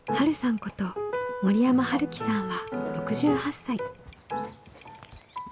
こと森山春樹さんは６８歳。